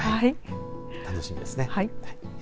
楽しみですね。